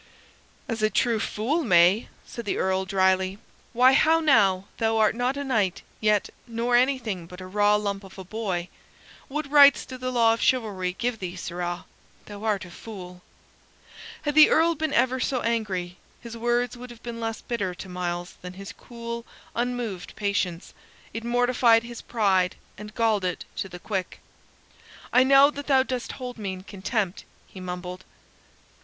"As a true fool may," said the Earl, dryly. "Why, how now, thou art not a knight yet, nor anything but a raw lump of a boy. What rights do the laws of chivalry give thee, sirrah? Thou art a fool!" Had the Earl been ever so angry, his words would have been less bitter to Myles than his cool, unmoved patience; it mortified his pride and galled it to the quick. "I know that thou dost hold me in contempt," he mumbled.